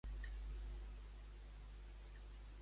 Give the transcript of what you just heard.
Ens pots sintonitzar el programa "Rebobinem" de "Ser Catalunya"?